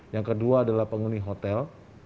yang kedua adalah penghuni hotel